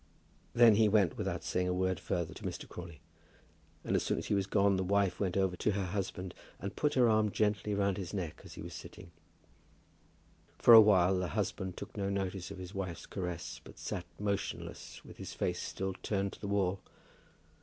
Then he went without saying a word further to Mr. Crawley. As soon as he was gone, the wife went over to her husband, and put her arm gently round his neck as he was sitting. For a while the husband took no notice of his wife's caress, but sat motionless, with his face still turned to the wall.